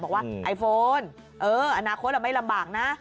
บอกว่าไอโฟนอนาคตเราไม่ลำบากนะ